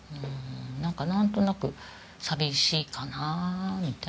なんかなんとなく寂しいかなみたいな。